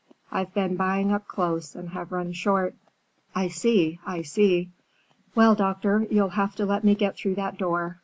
I've been buying up close and have run short." "I see, I see. Well, doctor, you'll have to let me get through that door.